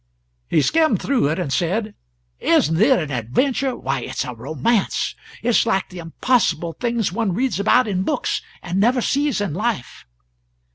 He skimmed through it and said: "Isn't it an adventure! Why, it's a romance; it's like the impossible things one reads about in books, and never sees in life."